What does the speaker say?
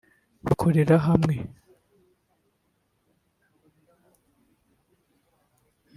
bakorera hamwe